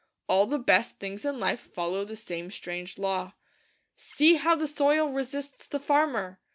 All the best things in life follow the same strange law. See how the soil resists the farmer!